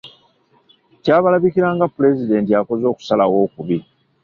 Kyabalabikira nga Pulezidenti akoze okusalawo okubi.